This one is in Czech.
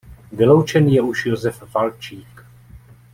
Vyloučen je už Josef Valčík.